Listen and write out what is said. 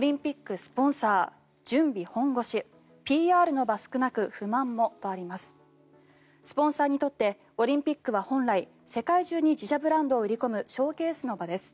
スポンサーにとってオリンピックは本来世界中に自社ブランドを売り込むショーケースの場です。